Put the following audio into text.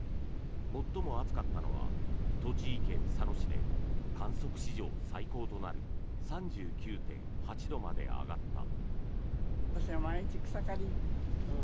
最も暑かったのは栃木県佐野市で観測史上最高となる３９．８度まで上がった。